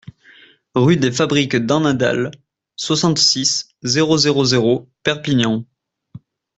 Rue des Fabriques d'en Nadals, soixante-six, zéro zéro zéro Perpignan